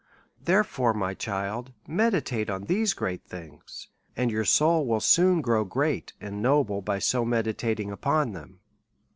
Therefore, my child, meditate on these great things, and your soul will soon grow great and noble by so meditating upon them.